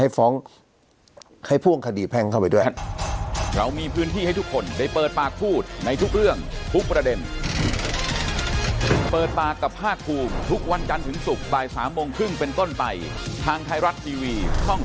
ให้ฟ้องให้พ่วงคดีแพงเข้าไปด้วย